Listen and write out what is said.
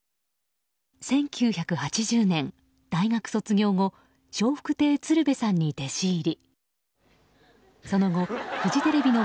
１９８０年、大学卒業後笑福亭鶴瓶さんに弟子入り。